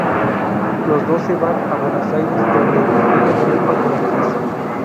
Los dos se van a Buenos Aires, donde ella triunfa como actriz.